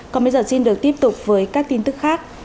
còn bây giờ xin được tiếp tục với các tin tức khác